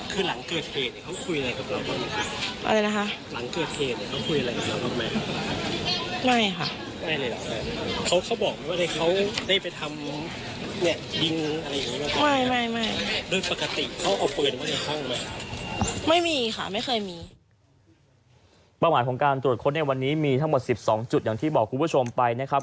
เขาเอาเปลือนไว้ในห้องไหมครับไม่มีค่ะไม่เคยมีประหว่างของการตรวจค้นในวันนี้มีทั้งหมดสิบสองจุดอย่างที่บอกคุณผู้ชมไปนะครับ